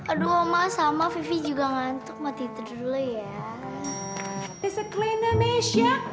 aduh oma sama vivi juga ngantuk mau tidur dulu ya